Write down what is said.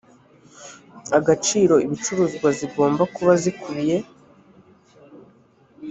agaciro ibicukurwa zigomba kuba zikubiye